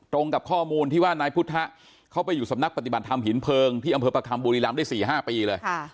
กับข้อมูลที่ว่านายพุทธเขาไปอยู่สำนักปฏิบัติธรรมหินเพลิงที่อำเภอประคัมบุรีรำได้๔๕ปีเลย